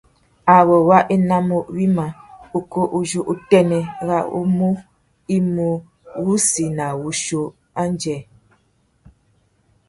Awô wa enamú wïmá ukú uzu utênê râ umô i mú wussi na wuchiô undjê.